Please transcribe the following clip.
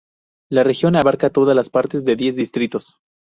La región abarca todas las partes de diez distritos.